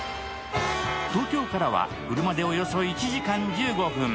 東京からは車でおよそ１時間１５分。